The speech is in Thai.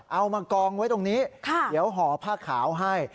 เอามากองไว้ตรงนี้เดี๋ยวห่อผ้าขาวให้